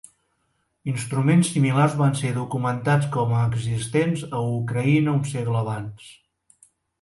Instruments similars van ser documentats com a existents a Ucraïna un segle abans.